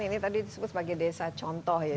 ini tadi disebut sebagai desa contoh ya